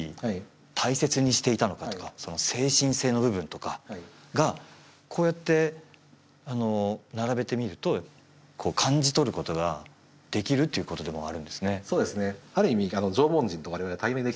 大切にしていたのかとかその精神性の部分とかがこうやって並べてみると感じ取ることができるっていうことでもあるんですね